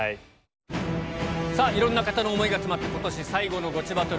さあ、いろんな方の思いが詰まった、ことし最後のゴチバトル。